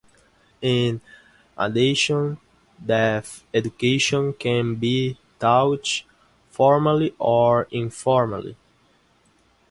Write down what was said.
In addition death education can be taught formally or informally.